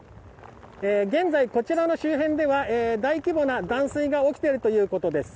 現在、こちらの周辺では大規模な断水が起きているということです。